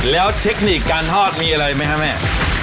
แล้วเทคนิคการทอดมีอะไรมั้ยแม่